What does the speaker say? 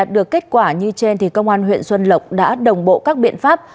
được kết quả như trên thì công an huyện xuân lộc đã đồng bộ các biện pháp